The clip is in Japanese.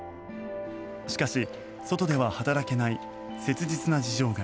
しかし、外では働けない切実な事情が。